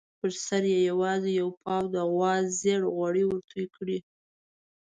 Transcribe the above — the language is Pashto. پر سر یې یوازې یو پاو د غوا زېړ غوړي ورتوی کړي.